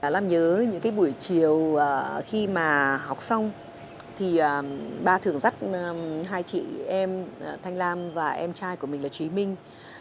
làm nhớ những buổi chiều khi mà học xong thì ba thường dắt hai chị em thanh lam và em trai của mình là trí minh